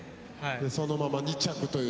そのまま２着という。